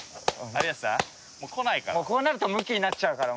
こうなるとむきになっちゃうからもう。